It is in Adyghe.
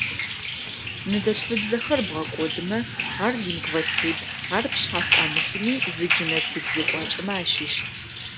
Ныдэлъфыбзэхэр бгъэкӀодымэ, ар-лингвоцид, ар пшъхьа шӏуамыхми, зы геноцид зекӏуакӏэмэ ащыщ.